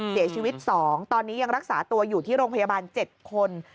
เสียชีวิต๒ตอนนี้ยังรักษาตัวอยู่ที่โรงพยาบาล๗คน